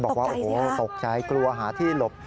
บอกว่าโอ้โหตกใจกลัวหาที่หลบ